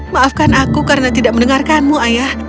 maafkan aku karena tidak mendengarkanmu ayah